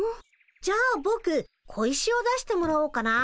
じゃあぼく小石を出してもらおうかな。